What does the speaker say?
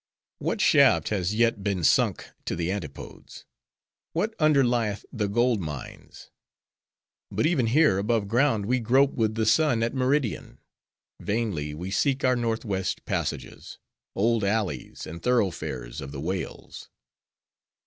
"'What shaft has yet been sunk to the antipodes? What underlieth the gold mines? "'But even here, above ground, we grope with the sun at meridian. Vainly, we seek our Northwest Passages,—old alleys, and thoroughfares of the whales.